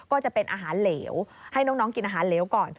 ก็จะเป็นอาหารเหลวให้น้องกินอาหารเหลวก่อน